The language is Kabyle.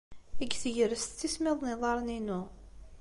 Deg tegrest, ttismiḍen yiḍarren-inu.